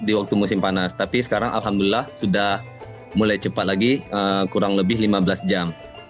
itu di waktu musim panas tapi sekarang alhamdulillah sudah mulai cepat lagi kurang lebih lima belas jam